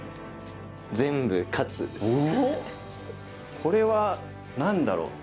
これは何だろう？